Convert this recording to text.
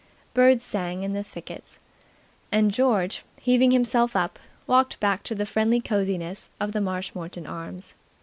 Birds sang in the thickets. And George, heaving himself up, walked back to the friendly cosiness of the Marshmoreton Arms.